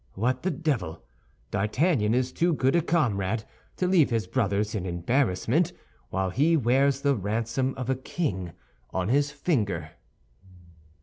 What the devil! D'Artagnan is too good a comrade to leave his brothers in embarrassment while he wears the ransom of a king on his finger."